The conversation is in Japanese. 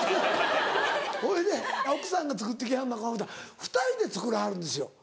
ほいで奥さんが作ってきはるのか思ったら２人で作らはるんですよ。